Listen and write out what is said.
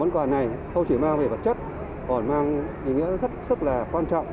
món quà này không chỉ mang về vật chất còn mang ý nghĩa rất là quan trọng